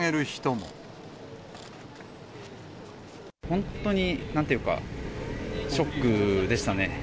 本当になんというか、ショックでしたね。